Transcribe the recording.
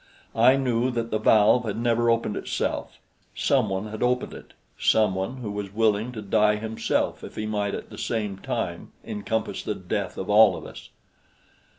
I knew that the valve had never opened itself. Some one had opened it some one who was willing to die himself if he might at the same time encompass the death of all of us.